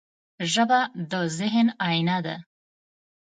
ژبه د ذهن آینه ده